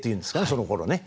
そのころね。